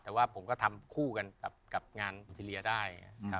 แต่ว่าผมก็ทำคู่กับงานอินทรียาได้